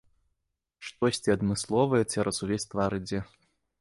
Штосьці адмысловае цераз увесь твар ідзе.